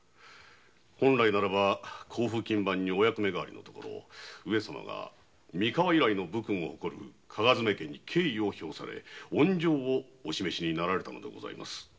本来ならば甲府勤番にお役目替えのところ上様が三河以来の名誉ある武門に敬意を表され恩情をお示しになられたのでございます。